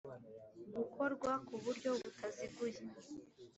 gukorwa ku buryo butaziguye